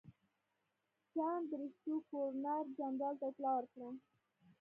جان بریسټو ګورنر جنرال ته اطلاع ورکړه.